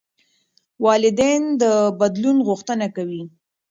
والدین د بدلون غوښتنه کوي.